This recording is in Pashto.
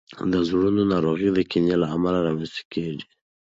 د زړونو ناروغۍ د کینې له امله رامنځته کیږي.